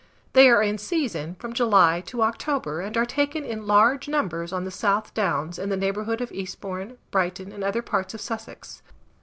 They are in season from July to October, and are taken in large numbers on the South Downs, in the neighbourhood of Eastbourne, Brighton, and other parts of Sussex.